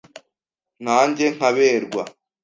Na njye nkaberwa